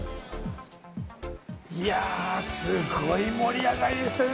いや、すごい盛り上がりでしたね。